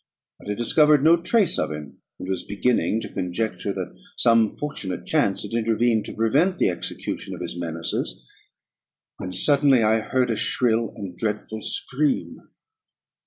But I discovered no trace of him, and was beginning to conjecture that some fortunate chance had intervened to prevent the execution of his menaces; when suddenly I heard a shrill and dreadful scream.